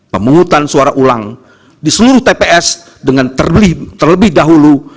pemungutan suara ulang di seluruh tps dengan terlebih dahulu